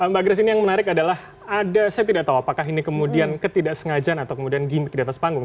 mbak grace ini yang menarik adalah ada saya tidak tahu apakah ini kemudian ketidaksengajaan atau kemudian gimmick di atas panggung